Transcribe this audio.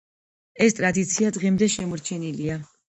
ეს ტრადიცია დღემდე შემორჩენილია.